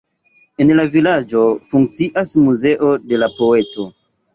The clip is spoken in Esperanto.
En la vilaĝo funkcias muzeo de la poeto.